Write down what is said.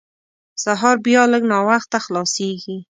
سهار بیا لږ ناوخته خلاصېږي.